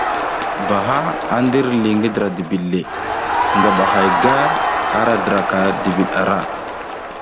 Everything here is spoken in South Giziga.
Ba a ndir li ngi dra dibiɗ le, ngaba hay gar ara dra dibiɗ ara.